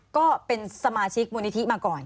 ก็เป็นสมาชิกมูลนิธิมาก่อน